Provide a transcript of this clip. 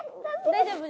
大丈夫。